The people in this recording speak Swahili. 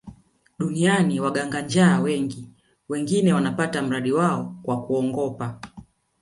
Duniani waganga njaa wengi wengine wanapata mradi wao kwa kuongopa